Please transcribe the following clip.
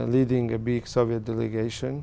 trong một năm học học